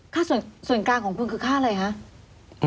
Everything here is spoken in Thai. ค่าส่วนกลางของคุณคือค่าอะไรคะ